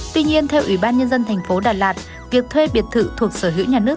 tuy nhiên theo ủy ban nhân dân thành phố đà lạt việc thuê biệt thự thuộc sở hữu nhà nước